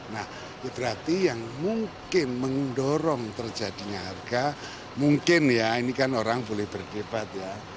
nah itu berarti yang mungkin mendorong terjadinya harga mungkin ya ini kan orang boleh berdebat ya